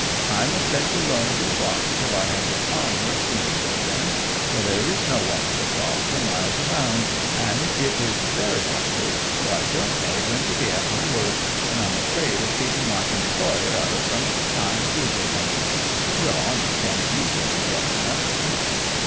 I must beg the loan of your watch till I have the honor of seeing you again, for there is no watch or clock for miles around, and it is very awkward, for I don't know when to be at my work, and I'm afraid of cheating my employer out of some of the time due to him. Your Honor can easily get another."